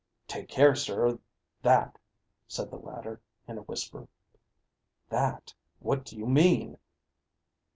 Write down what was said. "Take care, sir that," said the latter, in a whisper. "That? What do you mean?"